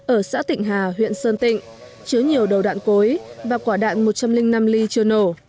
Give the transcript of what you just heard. ở xã tịnh hà huyện sơn tịnh chứa nhiều đầu đạn cối và quả đạn một trăm linh năm ly chưa nổ